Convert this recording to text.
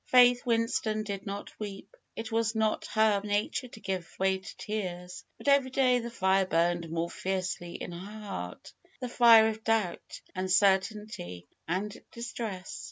Faith Winston did not weep. It was not her nature to give way to tears. But every day the fire burned more fiercely in her heart; the fire of doubt, uncertainty and distress.